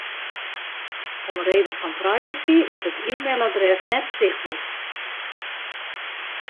Om reden fan privacy is it e-mailadres net sichtber.